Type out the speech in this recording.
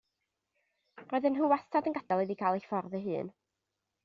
Roedden nhw wastad yn gadael iddi hi gael ei ffordd ei hun.